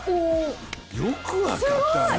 よく分かったね！